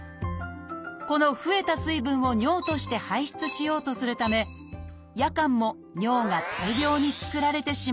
この増えた水分を尿として排出しようとするため夜間も尿が大量に作られてしまうのです。